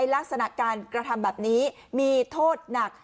ลักษณะการกระทำแบบนี้มีโทษหนัก